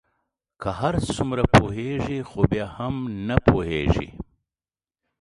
که هر څومره پوهیږی خو بیا هم نه پوهیږې